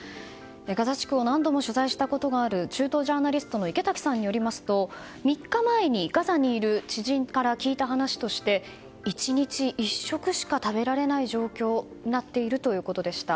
ガザ地区を何度も取材したことがある中東ジャーナリスト池滝さんによりますと３日前にガザにいる知人から聞いた話として１日１食しか食べられない状況になっているということでした。